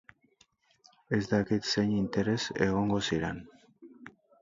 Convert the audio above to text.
Ez dakit zein interes egongo ziren.